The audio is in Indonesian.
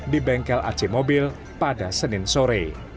di bengkel ac mobil pada senin sore